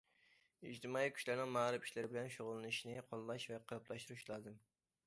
ئىجتىمائىي كۈچلەرنىڭ مائارىپ ئىشلىرى بىلەن شۇغۇللىنىشىنى قوللاش ۋە قېلىپلاشتۇرۇش لازىم.